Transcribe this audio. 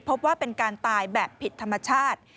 พบว่าเป็นการตายแบบผิดธรรมชาติ